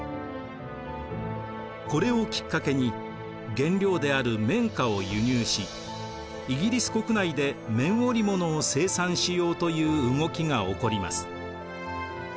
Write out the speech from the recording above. これをきっかけに原料である綿花を輸入しイギリス国内で綿織物を生産しようという動きが起こります。